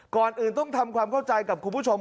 ก่อนอื่นต้องทำความเข้าใจกับคุณผู้ชม